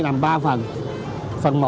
làm ba phần phần một